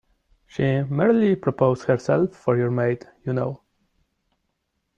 She merely proposed herself for your maid, you know.